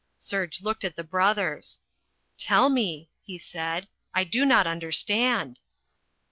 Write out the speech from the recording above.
Serge looked at the brothers. "Tell me," he said. "I do not understand."